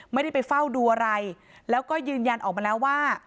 ไม่ได้ไปเฝ้าดูอะไรแล้วก็ยืนยันออกมาแล้วว่า